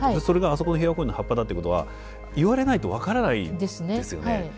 それがあそこの平和公園の葉っぱだっていうことは言われないと分からないですよね。